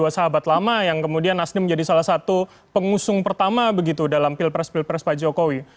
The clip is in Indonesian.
sahabat lama yang kemudian nasdem menjadi salah satu pengusung pertama begitu dalam pilpres pilpres pak jokowi